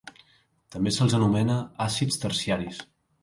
També se'ls anomena àcids terciaris.